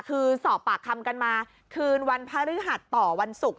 คือสอบปากคำกันมาคืนวันพระฤหัสต่อวันศุกร์